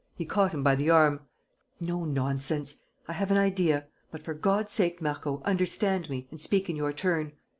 He caught him by the arm: "No nonsense! I have an idea. But, for God's sake, Marco, understand me and speak in your turn.